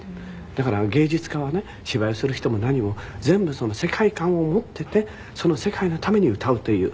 だから芸術家はね芝居する人も何も全部世界観を持っていてその世界のために歌うという。